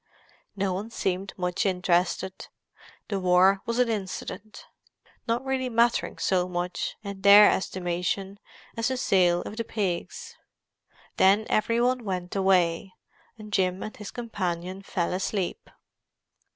No one seemed much interested; the war was an incident, not really mattering so much, in their estimation, as the sale of the pigs. Then every one went away, and Jim and his companion fell asleep.